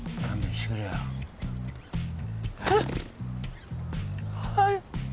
はっはい。